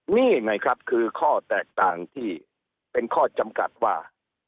นี่ไงครับคือข้อแตกต่างที่เป็นข้อจำกัดว่า